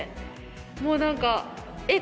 もうなんか、えっ？